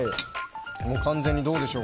完全にどうでしょう。